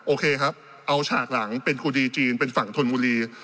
โอเคครับเอาฉากหลังเป็นครูดีจีนเป็นฝั่งธนบุรี